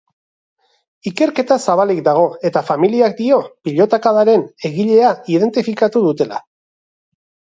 Ikerketa zabalik dago, eta familiak dio pilotakadaren egilea identifikatuta dutela.